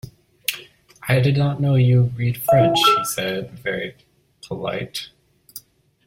“I did not know you read French,” he said, very polite.